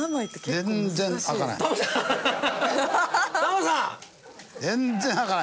全然開かない。